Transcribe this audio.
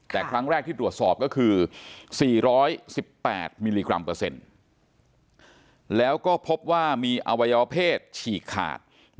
แต่ครั้งแรกที่ตรวจสอบก็คือ๔๑๘มิลลิกรัมเปอร์เซ็นต์แล้วก็พบว่ามีอวัยวเพศฉีกขาด